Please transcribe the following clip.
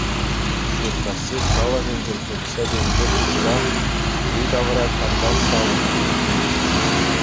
Шуркасси халӑхӗнчен укҫа-тенкӗ пухса йӗри-тавра карта ҫавӑртӑмӑр.